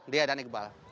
dia dan iqbal